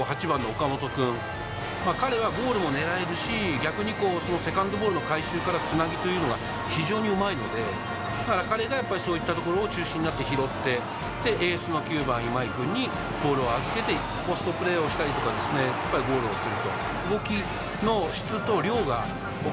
ゴールも狙えるし、セカンドボールの回収からつなぎというのが非常にうまいので、彼がそういったところを中心になって拾って、エースの９番・今井君にボールを預けて、ポストプレーとか、ゴールをする。